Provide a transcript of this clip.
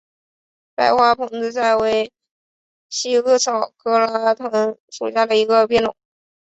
白花蓬子菜为茜草科拉拉藤属下的一个变种。